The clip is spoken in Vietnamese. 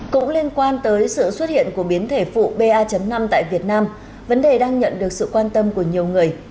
cũng liên quan tới sự xuất hiện của biến thể phụ ba năm tại việt nam vấn đề đang nhận được sự quan tâm của nhiều người